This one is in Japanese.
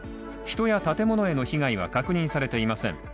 人や建物への被害は確認されていません。